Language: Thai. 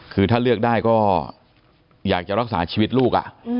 คือถ้าเลือกได้ก็อยากจะรักษาชีวิตลูก